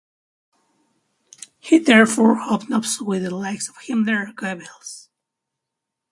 He therefore hobnobs with the likes of Himmler and Goebbels.